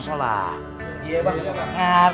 di latak lu masih ngasih